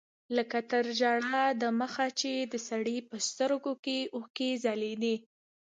لکه تر ژړا د مخه چې د سړي په سترګو کښې اوښکې ځلېږي.